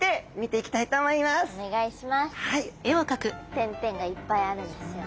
点々がいっぱいあるんですよね。